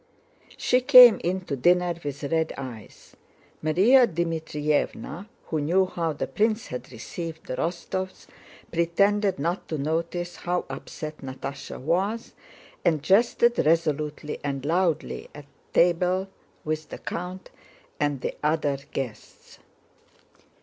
She came in to dinner with red eyes. Márya Dmítrievna, who knew how the prince had received the Rostóvs, pretended not to notice how upset Natásha was and jested resolutely and loudly at table with the count and the other guests.